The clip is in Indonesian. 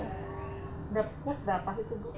depnya berapa itu bu